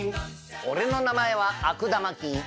俺の名前は悪玉菌。